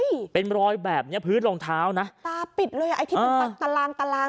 นี่เป็นรอยแบบเนี้ยพื้นรองเท้านะตาปิดเลยอ่ะไอ้ที่เป็นตารางตาราง